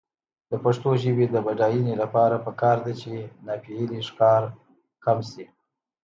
د پښتو ژبې د بډاینې لپاره پکار ده چې ناپییلي ښکار کم شي.